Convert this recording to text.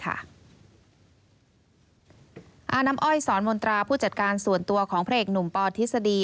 น้ำอ้อยสอนมนตราผู้จัดการส่วนตัวของพระเอกหนุ่มปทฤษฎี